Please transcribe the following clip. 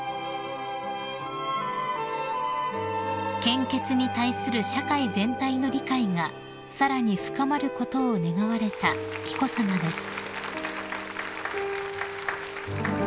［献血に対する社会全体の理解がさらに深まることを願われた紀子さまです］